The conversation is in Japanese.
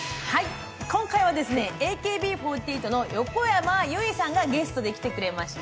今回はＡＫＢ４８の横山由依さんがゲストで来てくれました。